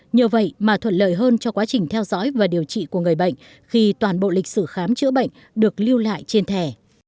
nhờ vậy mà thuận lợi hơn cho quá trình theo dõi và điều trị của người bệnh khi toàn bộ lịch sử khám chữa bệnh được lưu lại trên thẻ